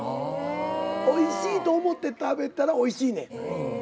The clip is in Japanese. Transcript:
おいしいと思って食べたらおいしいねん。